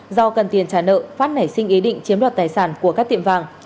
do cần tiền trả nợ phát nảy sinh ý định chiếm đoạt tài sản của các tiệm vàng